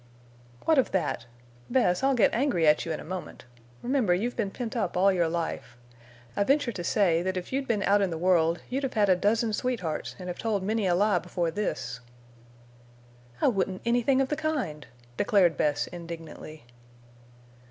"What of that? Bess, I'll get angry at you in a moment. Remember you've been pent up all your life. I venture to say that if you'd been out in the world you'd have had a dozen sweethearts and have told many a lie before this." "I wouldn't anything of the kind," declared Bess, indignantly.